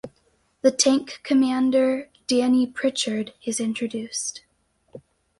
The tank commander, Danny Pritchard is introduced.